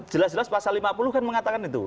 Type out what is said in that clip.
jelas jelas pasal lima puluh kan mengatakan itu